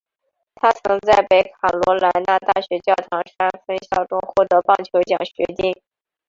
他曾在北卡罗来纳大学教堂山分校中获得棒球奖学金。